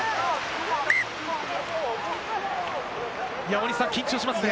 大西さん、緊張しますね。